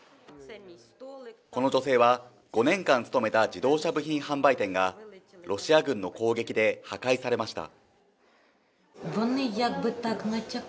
この女性は、５年間勤めた自動車部品販売店がロシア軍の攻撃で破壊されました。